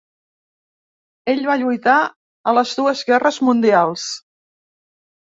Ell va lluitar a les dues guerres mundials.